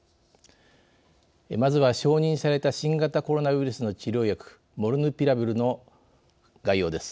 まずは承認された新型コロナウイルスの治療薬モルヌピラビルの概要です。